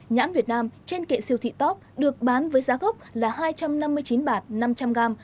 nhãn việt nam trên kệ siêu thị top được bán với giá gốc là hai trăm năm mươi chín bạt năm trăm linh g